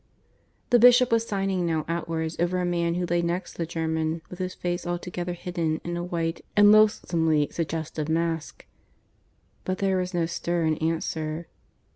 The bishop was signing now outwards over a man who lay next the German, with his face altogether hidden in a white and loathsomely suggestive mask; but there was no stir in answer.